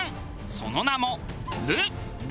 その名も「流。」。